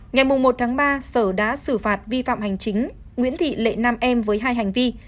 ngày một ba sở đã xử phạt vi phạm hành chính nguyễn thị lệ nam em với hai hành vi